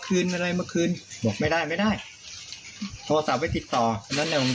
คืนอะไรมาคืนบอกไม่ได้ไม่ได้โทรศัพท์ไว้ติดต่ออันนั้นแหละผม